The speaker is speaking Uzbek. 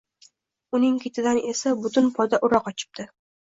Uning ketidan esa butun poda ura qochibdi